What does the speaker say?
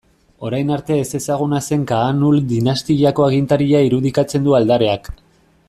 Orain arte ezezaguna zen Kaanul dinastiako agintaria irudikatzen du aldareak.